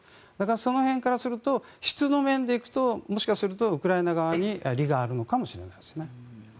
その辺からすると質の面でいくともしかするとウクライナ側に利があるのかもしれないですね。